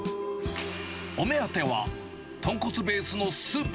お目当ては、豚骨ベースのスープ。